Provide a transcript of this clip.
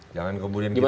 jangan kemudian kita